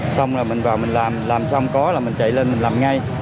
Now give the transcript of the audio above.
xong là mình vào mình làm làm xong có là mình chạy lên mình làm ngay